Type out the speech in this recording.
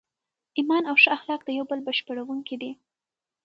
ایمان او ښه اخلاق د یو بل بشپړونکي دي.